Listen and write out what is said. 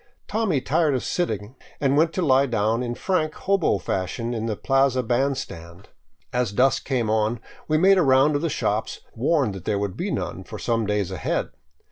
Tommy tired of sitting, and went to lie down in frank " hobo " fashion in the plaza band stand. As dusk came on we made a round of the shops, warned that there would be none for some days ahead.